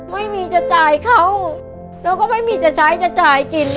ไม่มีจะจ่ายเขาเราก็ไม่มีจะใช้จะจ่ายกิน